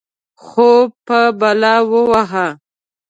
خوب په بلا ووهه.